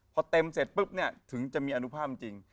พอเต็มเสร็จปุ๊บเนี่ยถึงจะมีอนุภาพจริง